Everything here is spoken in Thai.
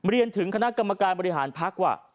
เรียนถึงคณะกรรมการบริหารพักว่า